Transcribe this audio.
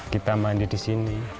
kita mandi disini